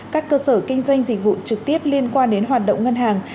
các cơ sở kinh doanh dịch vụ trực tiếp liên quan đến hoạt động ngân hàng